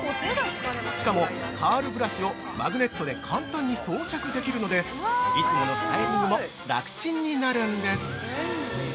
しかも、カールブラシをマグネットで簡単に装着できるのでいつものスタイリングも、ラクチンになるんです！